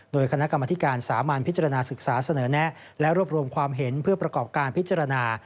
โดยคณะกรรมธิการสามัญพิจารณาศึกษาเสนอแนะและรวบรวมความเห็นเพื่อประกอบการพิจารณา